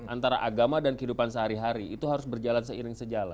antara agama dan kehidupan sehari hari itu harus berjalan seiring sejalan